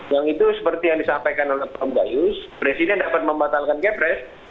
yang itu seperti yang disampaikan oleh pak gayus presiden dapat membatalkan kepres